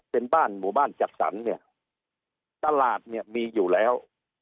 เป็นบ้านหมู่บ้านจัดสรรเนี่ยตลาดเนี่ยมีอยู่แล้ว